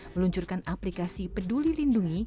meluncurkan aplikasi peduli lindungi